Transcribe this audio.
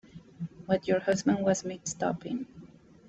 What your husband was mixed up in.